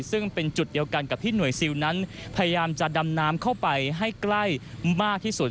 ซึ่งเป็นจุดเดียวกันกับที่หน่วยซิลนั้นพยายามจะดำน้ำเข้าไปให้ใกล้มากที่สุด